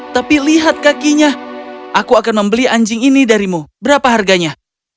tapi lihat kakinya aku akan membeli anjing ini darimu berapa harganya